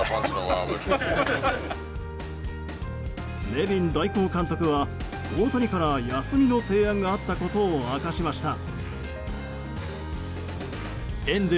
ネビン代行監督は、大谷から休みの提案があったことを明かしました。